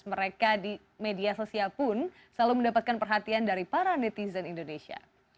mereka di media sosial pun selalu mendapatkan perhatian dari para netizen indonesia